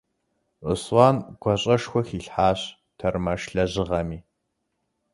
Руслан гуащӀэшхуэ хилъхьащ тэрмэш лэжьыгъэми.